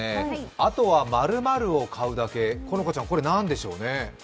あとは○○を買うだけ、これ何でしょうね？